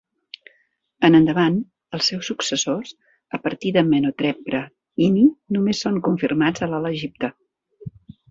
En endavant els seus successors, a partir de Merhotepre Ini, només són confirmats al Alt Egipte.